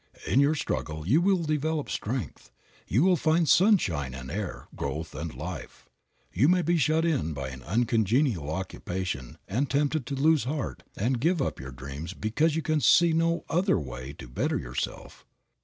In your struggle you will develop strength, you will find sunshine and air, growth and life. You may be shut in by an uncongenial occupation and tempted to lose heart and give up your dreams because you can see no way to better yourself.